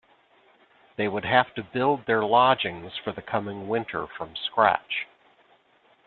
They would have to build their lodgings for the coming winter from scratch.